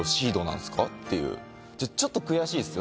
ちょっと悔しいっすよ。